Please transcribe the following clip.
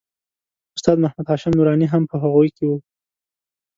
استاد محمد هاشم نوراني هم په هغوی کې و.